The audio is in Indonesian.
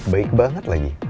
baik banget lagi